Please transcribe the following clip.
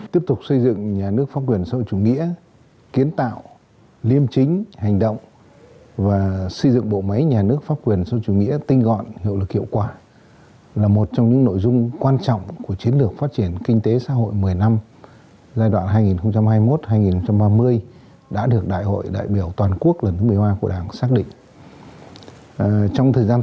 tiếp tục xây dựng nhà nước pháp quyền xã hội chủ nghĩa kiến tạo liêm chính hành động và xây dựng bộ máy nhà nước pháp quyền xã hội chủ nghĩa tinh gọn hiệu lực hiệu quả là một trong những nội dung quan trọng của chiến lược phát triển kinh tế xã hội một mươi năm